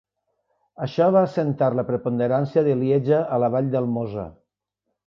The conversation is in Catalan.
Això va assentar la preponderància de Lieja a la vall del Mosa.